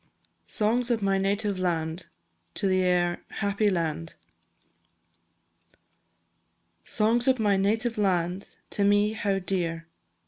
SONGS OF MY NATIVE LAND. AIR "Happy Land." Songs of my native land, To me how dear!